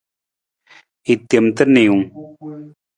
I tem ta niiwung.